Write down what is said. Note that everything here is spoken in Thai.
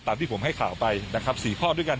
ที่ผมให้ข่าวไปนะครับ๔ข้อด้วยกัน